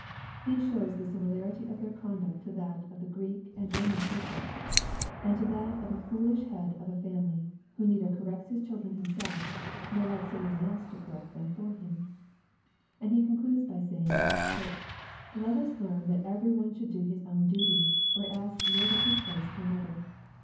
He shows the similarity of their conduct to that of the Greek and Eo man churches, and to that of a foolish head of a family, who neither corrects his children himself, nor likes any one to correct them for him. And he concludes by saying, " Let us learn that every one should do his own duty, or else yield up his place to another.